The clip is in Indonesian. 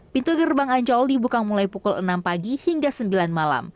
pintu gerbang ancol dibuka mulai pukul enam